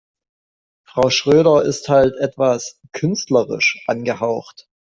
Frau Schröder ist halt etwas künstlerisch angehaucht.